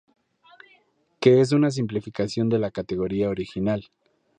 Que es una simplificación de la categoría original.